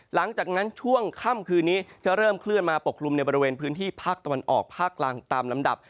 หลังจากนั้นช่วงค่ำคืนนี้จะเริ่มเคลื่อนมาปกคลุมในบริเวณพื้นที่ภาคตะวันออกภาคกลางตามลำดับ